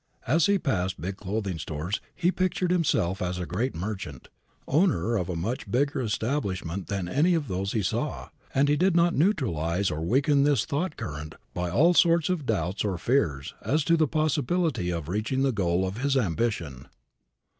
As he passed big clothing stores he pictured himself as a great merchant, owner of a much bigger establishment than any of those he saw, and he did not neutralize or weaken this thought current by all sorts of doubts or fears as to the possibility of reaching the goal of his ambition.